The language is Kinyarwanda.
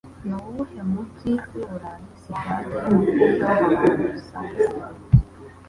Nuwuhe mujyi wiburayi Sitade yumupira wamaguru "San Siro"?